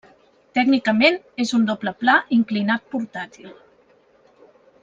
Tècnicament és un doble pla inclinat portàtil.